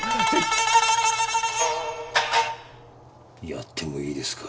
やってもいいですか？